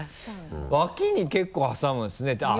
脇に結構挟むんですねあっ